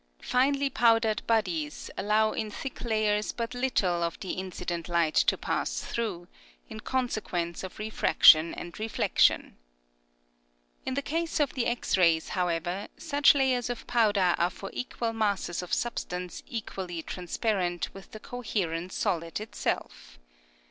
Finely powdered bodies allow in thick layers but little of the incident light to pass through, in consequence of re fraction and reflection. In the case of the X rays, however, such layers of powder are for equal masses of substance equally trans parent with the coherent solid itself.